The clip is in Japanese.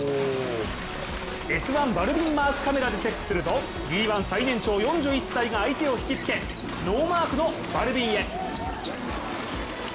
「Ｓ☆１」バルヴィンマークカメラでチェックするとＢ１最年長、４１歳が相手を引きつけノーマークのバルヴィンへ。